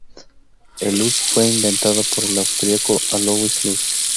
El lutz fue inventado por el austríaco Alois Lutz.